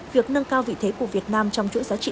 việc nâng cao vị thế của việt nam trong chuỗi giá trị